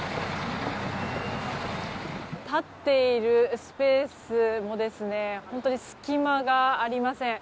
立っているスペースも隙間がありません。